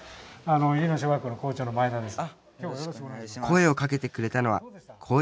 入野小学校の校長の前田です。